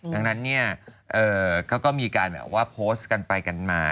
ดังนั้นเนี่ยเขาก็มีการแบบว่าโพสต์กันไปกันมา